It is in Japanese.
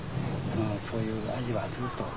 そういう味はずっと。